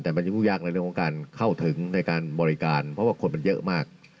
แต่มันจะยุ่งยากในเรื่องของการเข้าถึงในการบริการเพราะว่าคนมันเยอะมาก